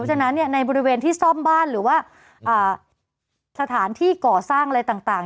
ฉะนั้นในบริเวณที่ซ่อมบ้านหรือว่าสถานที่ก่อสร้างอะไรต่าง